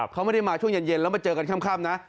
เขาไม่ได้มาช่วงเย็นแล้วมาเจอกันค่ำนะ